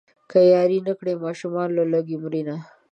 که ياري نه کړي ماشومان له لوږې مرينه.